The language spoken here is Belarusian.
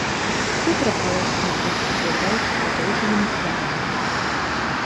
У тыгра палосы на поўсці з'яўляюцца падоўжанымі плямамі.